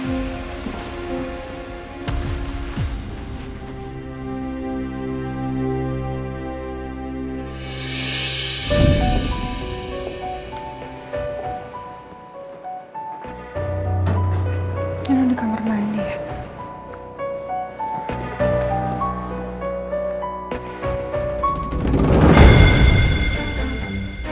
ini loh di kamar mandi ya